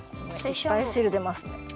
いっぱいしるでますね。